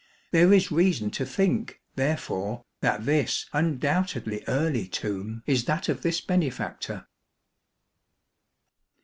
There is reason to think, therefore, that this undoubtedly early tomb is that of this benefactor.